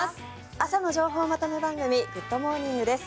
朝の情報まとめ番組『グッド！モーニング』です。